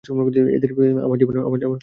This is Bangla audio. আমার জীবন সম্পর্কে।